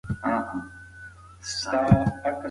لویې موخې په کوچنیو ګامونو ترلاسه کېږي.